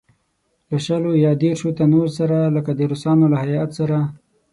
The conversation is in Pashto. له شلو یا دېرشوتنو سره لکه د روسانو له هیات سره.